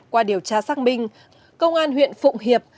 qua điều tra xác minh công an huyện phụng hiệp